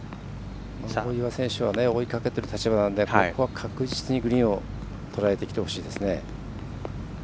大岩選手は追いかける立場なので、ここは確実にグリーンをとらえてきてほしいです。